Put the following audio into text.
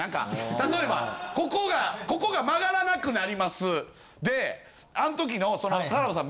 例えばここがここが曲がらなくなりますであん時の「さらばさん